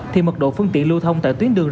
thì mật độ phương tiện lưu thông tại tuyến đường